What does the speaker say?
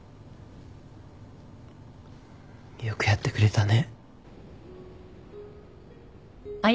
よくやってくれたね。